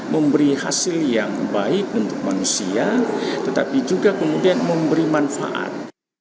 memberi hasil yang baik untuk manusia tetapi juga kemudian memberi manfaat